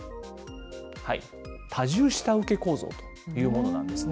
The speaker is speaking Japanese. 多重下請け構造というものなんですね。